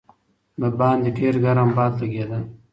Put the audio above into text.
باندې ډېر ګرم باد لګېده.